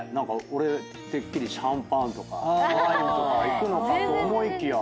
俺てっきりシャンパンとかワインとかいくのかと思いきや。